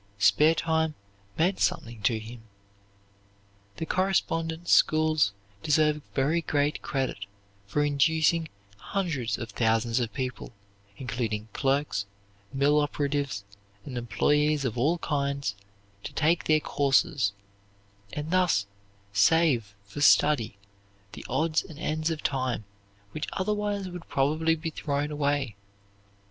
Spare time meant something to him. The correspondence schools deserve very great credit for inducing hundreds of thousands of people, including clerks, mill operatives, and employees of all kinds, to take their courses, and thus save for study the odds and ends of time which otherwise would probably be thrown away.